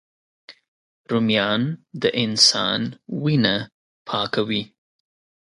رومیان د انسان وینه پاکوي